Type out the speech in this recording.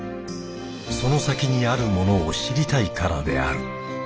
その先にあるものを知りたいからである。